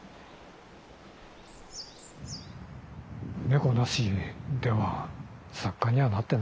猫なしでは作家にはなってないね。